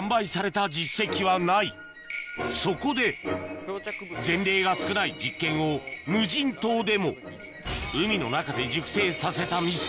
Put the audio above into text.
そこで前例が少ない実験を無人島でも海の中で熟成させた味噌